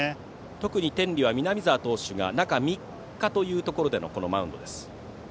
特に天理は南澤投手が中３日という中でのこのマウンドです。